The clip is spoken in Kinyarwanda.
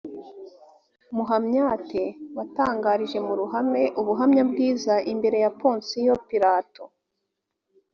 muhamyat watangarije mu ruhame u ubuhamya bwiza imbere ya ponsiyo pilato